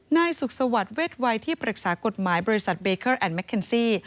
นายสุขสวัสดิ์เวทวัยที่ปรึกษากฎหมายบริษัทเบเคิลแอนดแมคเคนซี่